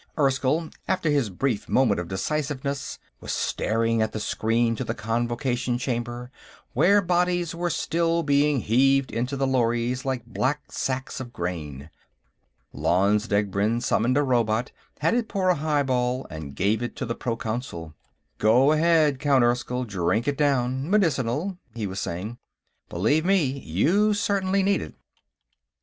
Erskyll, after his brief moment of decisiveness, was staring at the screen to the Convocation Chamber, where bodies were still being heaved into the lorries like black sacks of grain. Lanze Degbrend summoned a robot, had it pour a highball, and gave it to the Proconsul. "Go ahead, Count Erskyll; drink it down. Medicinal," he was saying. "Believe me you certainly need it."